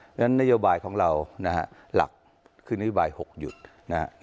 เพราะฉะนั้นนโยบายของเรานะฮะหลักคือนโยบาย๖หยุดนะฮะ